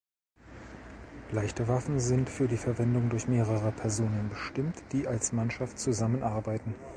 Leichte Waffen sind für die Verwendung durch mehrere Personen bestimmt, die als Mannschaft zusammenarbeiten.